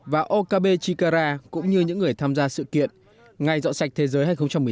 và okabe chikara cũng như những người tham gia sự kiện ngày dọn sạch thế giới hai nghìn một mươi chín